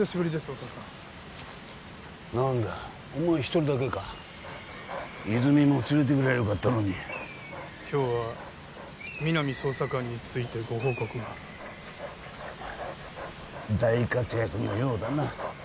お父さん何だよお前一人だけか泉も連れてくりゃよかったのに今日は皆実捜査官についてご報告が大活躍のようだな